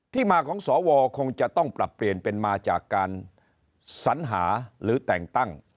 มาของสวคงจะต้องปรับเปลี่ยนเป็นมาจากการสัญหาหรือแต่งตั้ง